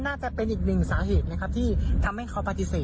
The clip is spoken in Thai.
น่าจะเป็นอีกหนึ่งสาเหตุนะครับที่ทำให้เขาปฏิเสธ